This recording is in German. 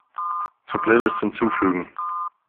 Zur Playlist hinzufügen.